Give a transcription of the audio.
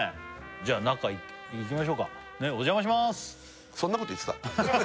じゃあ中行きましょうかそんなこと言ってた？